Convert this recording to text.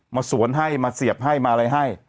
มาสวนให้มาเสียบให้มาอะไรให้